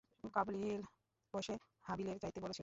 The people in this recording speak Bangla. কাবীল বয়সে হাবীলের চাইতে বড় ছিল।